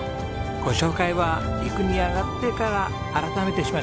ご紹介は陸に上がってから改めてしましょうね。